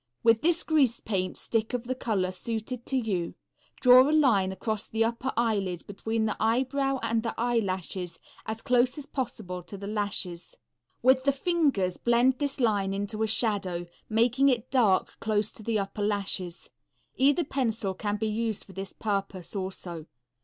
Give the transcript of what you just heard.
With this grease paint stick of the color suited to you, draw a line across the upper eyelid between the eyebrow and the eyelashes, as close as possible to the lashes. With the fingers blend this line into a shadow, making it dark close to the upper lashes. Either pencil can be used for this purpose also.